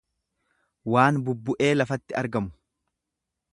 waan bubbu'ee lafatti argamu.